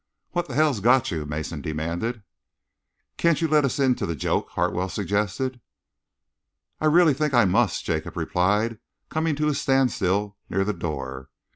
"What the hell's got you?" Mason demanded. "Can't you let us into the joke?" Hartwell suggested. "I really think I must," Jacob replied, coming to a standstill near the door.